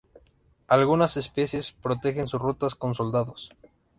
Algunas especies protegen sus rutas con soldados.